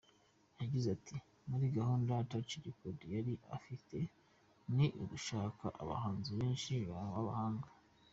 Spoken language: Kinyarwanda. Yagize ati “Muri gahunda Touch Records yari ifite, ni ugushaka abahanzi benshi b’abahanga.